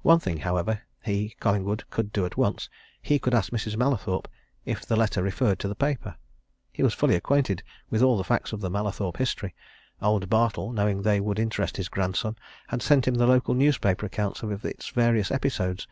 One thing, however, he, Collingwood, could do at once he could ask Mrs. Mallathorpe if the letter referred to the paper. He was fully acquainted with all the facts of the Mallathorpe history; old Bartle, knowing they would interest his grandson, had sent him the local newspaper accounts of its various episodes.